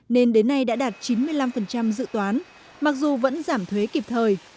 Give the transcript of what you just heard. nên đến nay đã đạt chín mươi năm dự toán mặc dù vẫn giảm thuế kịp thời